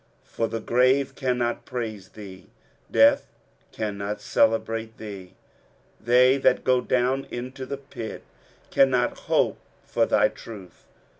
23:038:018 For the grave cannot praise thee, death can not celebrate thee: they that go down into the pit cannot hope for thy truth.